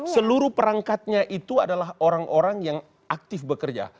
seluruh perangkatnya itu adalah orang orang yang aktif bekerja